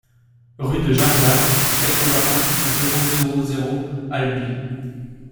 Rue de Jarlard, quatre-vingt-un, zéro zéro zéro Albi